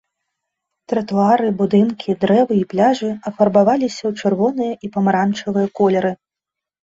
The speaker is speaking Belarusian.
Тратуары, будынкі, дрэвы і пляжы афарбаваліся ў чырвоныя і памаранчавыя колеры.